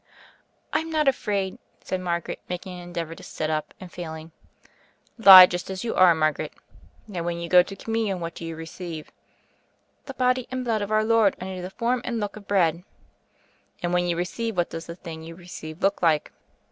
"I'm not afraid," said Margaret, making an endeavor to sit up — and failing. "Lie just as you are, Margaret. Now, when you go to Communion, what do you receive?" "The body and blood of Our Lord under the form and looks of bread." "And when you receive, what does the thing you receive look like?"